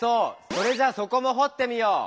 それじゃそこもほってみよう。